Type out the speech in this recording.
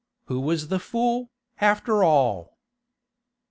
Who was the fool, after all?